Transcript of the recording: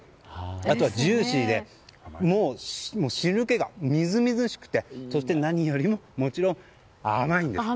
あとはジューシーで汁けが、みずみずしくてそして何よりも甘いんです。